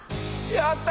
やった！